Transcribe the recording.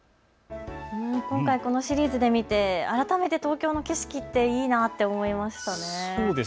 今回、このシリーズで見て改めて東京の景色っていいなと思いました。